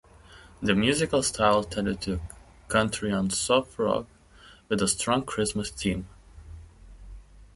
The musical style tended to country and soft rock, with a strong Christmas theme.